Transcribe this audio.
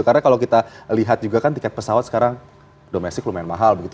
karena kalau kita lihat juga kan tiket pesawat sekarang domestik lumayan mahal begitu